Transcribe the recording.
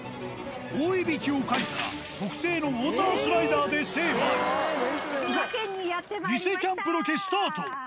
大いびきをかいたら、特製のウォータースライダーで成敗。偽キャンプロケスタート。